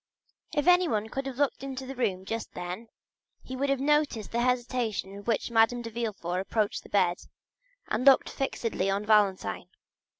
If anyone could have looked into the room just then he would have noticed the hesitation with which Madame de Villefort approached the bed and looked fixedly on Valentine.